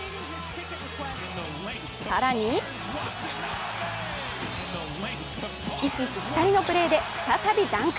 更に息ぴったりのプレーで再びダンク。